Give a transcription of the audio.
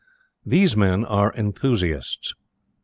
These men are enthusiasts.